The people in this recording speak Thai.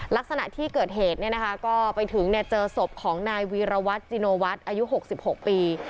ลักษณะที่เกิดเหตุก็ไปถึงเจอศพของนายวีรวัตรจิโนวัฒน์อายุ๖๖ปี